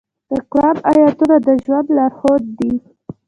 د قرآن آیاتونه د ژوند لارښود دي.